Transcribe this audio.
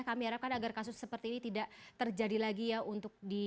kami harapkan agar kasus seperti ini tidak terjadi lagi ya untuk di